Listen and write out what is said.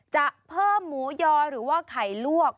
จะเพิ่มหมูยอหรือว่าไข่ลวก